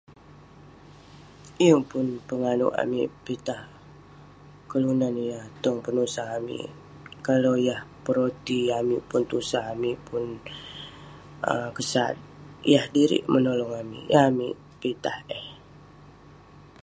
Yeng pun penganouk amik pitah kelunan yah tong penusah amik, kalah yah peroti amik pun tusah, amik pun kesat, yah dirik menolong amik..yeng amik pitah eh